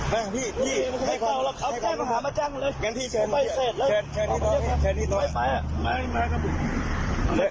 ไม่เปล่าค่ะเจ้าปื่นถามมาจังเลย